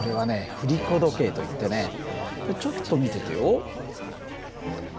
振り子時計といってねちょっと見ててよ。